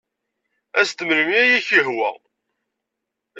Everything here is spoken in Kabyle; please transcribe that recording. As-d melmi ay ak-yehwa.